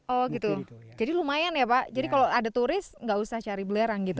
oh gitu jadi lumayan ya pak jadi kalau ada turis nggak usah cari belerang gitu